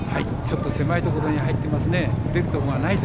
狭いところに入っていますね。